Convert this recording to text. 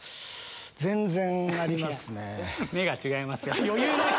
全然ありますね。